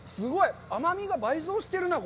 甘みが倍増してるなぁ。